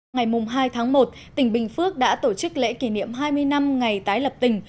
ngày hai tháng một tỉnh bình phước đã tổ chức lễ kỷ niệm hai mươi năm ngày tái lập tỉnh